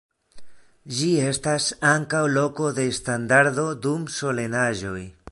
Ĝi estas ankaŭ loko de standardo dum solenaĵoj.